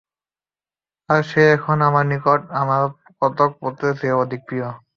আর সে এখন আমার নিকট আমার কতক পুত্রের চেয়ে অধিক প্রিয়।